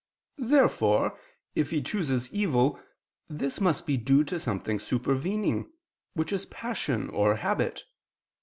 Therefore if he chooses evil, this must be due to something supervening, which is passion or habit.